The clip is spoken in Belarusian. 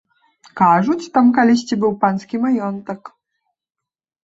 Кажуць, там калісьці быў панскі маёнтак.